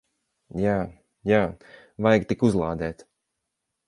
Jā. Jā. Vajag tik uzlādēt.